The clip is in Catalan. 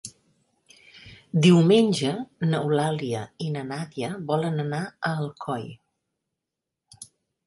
Diumenge n'Eulàlia i na Nàdia volen anar a Alcoi.